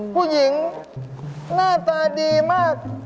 ผู้หญิงหน้าตาดีมาก